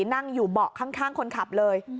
นั่งอยู่เบาะข้างคนขับเลย